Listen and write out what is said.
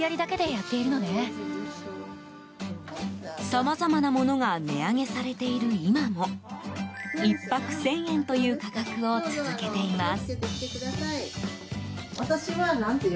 さまざまなものが値上げされている今も１泊１０００円という価格を続けています。